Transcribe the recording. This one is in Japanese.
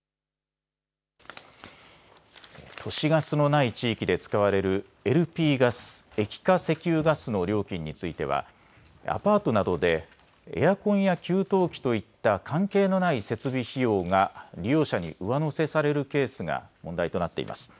都市ガスのない地域で使われるＬＰガス・液化石油ガスの料金についてはアパートなどでエアコンや給湯器といった関係のない設備費用が利用者に上乗せされるケースが問題となっています。